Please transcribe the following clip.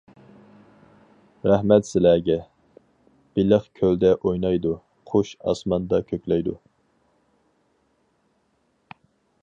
رەھمەت سىلىگە، بېلىق كۆلدە ئوينايدۇ، قۇش ئاسماندا كۆكلەيدۇ.